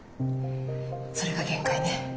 それが限界ね。